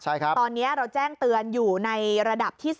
ตอนนี้เราแจ้งเตือนอยู่ในระดับที่๓